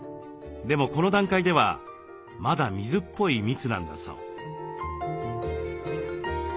でもこの段階ではまだ水っぽい蜜なんだそう。